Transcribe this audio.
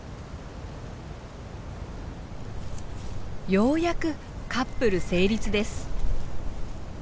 ようやくカップル成立です。